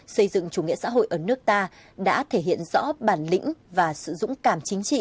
xây dựng chủ nghĩa xã hội ở nước ta đã thể hiện rõ bản lĩnh và sự dũng cảm chính trị